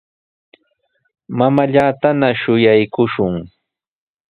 Mamaallatana shuyaakushun.